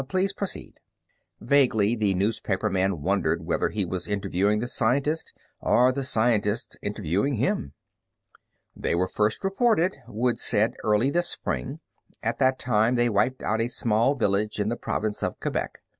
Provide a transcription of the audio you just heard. Please proceed." Vaguely the newspaperman wondered whether he was interviewing the scientist or the scientist interviewing him. "They were first reported," Woods said, "early this spring. At that time they wiped out a small village in the province of Quebec.